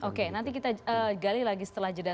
oke nanti kita gali lagi setelah jeda